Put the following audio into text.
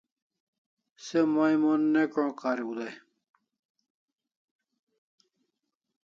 Se mai mon ne ko'n' kariu dai